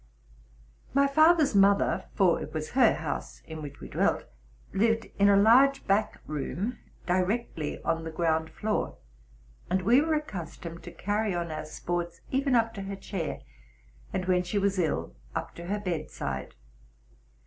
My father's mother, for it was her house in which we dwelt, lived in a large back room directly on the ground floor; and we were accustomed to carry on our sports even up to her chair, and, when she was ill, up to her bedside.